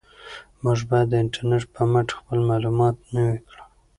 موږ باید د انټرنیټ په مټ خپل معلومات نوي کړو.